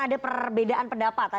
ada perbedaan pendapat